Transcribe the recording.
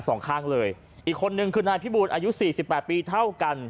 สองข้างเลยอีกคนนึงคือนายพิบูลอายุสี่สิบแปดปีเท่ากัน